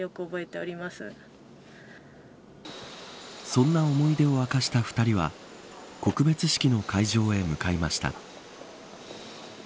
そんな思い出を明かした２人は告別式の会場へ向かいました。